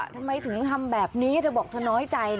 ทำไมถึงทำแบบนี้เธอบอกเธอน้อยใจ